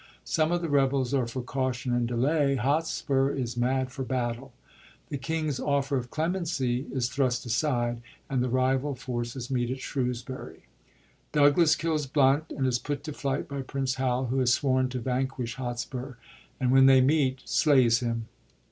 Some of the rebels are for caution and delay; Hotspur is mad for battle. The king's offer of clemency is thrust aside, and the rival forces meet at Shrewsbury. Douglas kills Blunt, and is put to flight by Prince Hal, who has sworn to vanquish Hotspur, and, when they meet, slays him.